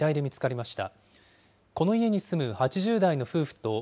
しました。